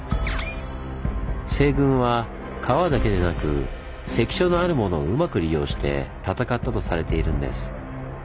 西軍は川だけでなく関所の「あるもの」をうまく利用して戦ったとされているんです。